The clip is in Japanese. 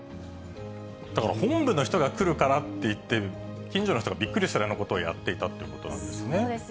だから本部の人が来るからって言って、近所の人がびっくりするようなことをやっていたということなんでそうですよ。